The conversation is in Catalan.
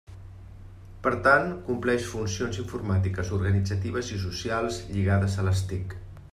Per tant, compleix funcions informàtiques, organitzatives i socials lligades a les TIC.